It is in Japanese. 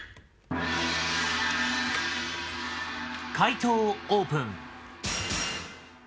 解答をオープン。